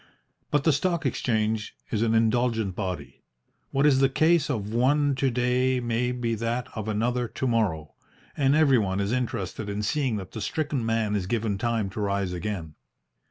But the Stock Exchange is an indulgent body. What is the case of one to day may be that of another to morrow, and everyone is interested in seeing that the stricken man is given time to rise again.